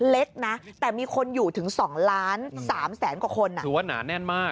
เล็กนะแต่มีคนอยู่ถึง๒ล้าน๓แสนกว่าคนถือว่าหนาแน่นมาก